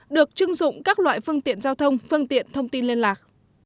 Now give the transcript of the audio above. được chưng dụng các loại phương tiện giao thông phương tiện thông tin liên lạc